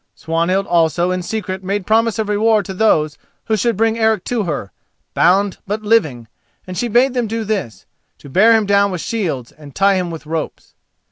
Swanhild also in secret made promise of reward to those who should bring Eric to her, bound, but living; and she bade them do this—to bear him down with shields and tie him with ropes.